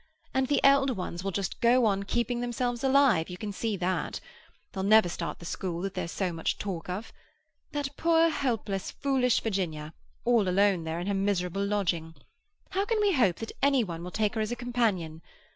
And the elder ones will go on just keeping themselves alive; you can see that. They'll never start the school that there's so much talk of. That poor, helpless, foolish Virginia, alone there in her miserable lodging! How can we hope that any one will take her as a companion?